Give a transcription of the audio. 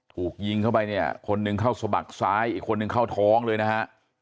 ถูกยิงเข้าไปเนี่ยคนหนึ่งเข้าสะบักซ้ายอีกคนนึงเข้าท้องเลยนะฮะ